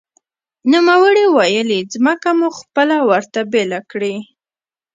نوموړي ویلي، ځمکه مو خپله ورته بېله کړې